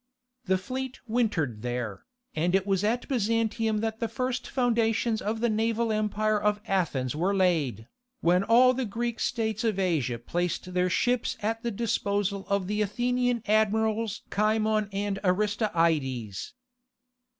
The fleet wintered there, and it was at Byzantium that the first foundations of the naval empire of Athens were laid, when all the Greek states of Asia placed their ships at the disposal of the Athenian admirals Cimon and Aristeides.